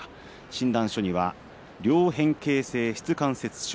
診断書には両変形性しつ関節症。